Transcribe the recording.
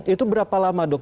itu berapa lama dok